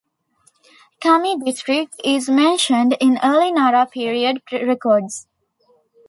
Kami District is mentioned in early Nara period records.